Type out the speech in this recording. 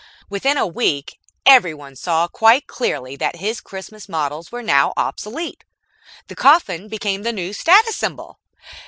Within a week, everyone saw quite clearly that his Christmas models were now obsolete. The coffin became the new status symbol.